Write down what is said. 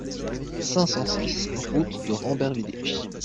cinq cent six route de Rambervillers